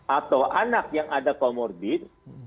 atau anak yang ada comorbid